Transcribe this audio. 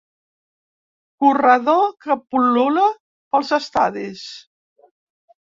Corredor que pul·lula pels estadis.